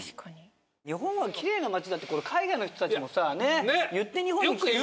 日本はきれいな街だって海外の人たちもさ言って日本に来てるんだから。